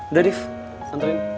udah nif santrin